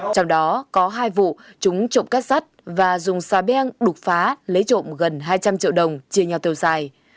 trong đó có hai vụ chúng trộm cát sắt và dùng xà beng đục phá lấy trộm gần hai trăm linh triệu đồng chia nhau tiêu xài